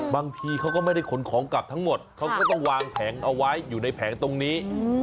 บางทีเขาก็ไม่ได้ขนของกลับทั้งหมดเขาก็ต้องวางแผงเอาไว้อยู่ในแผงตรงนี้